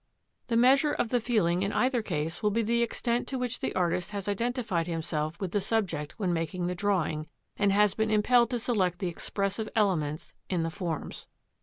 The measure of the feeling in either case will be the extent to which the artist has identified himself with the subject when making the drawing, and has been impelled to select the expressive elements in the forms.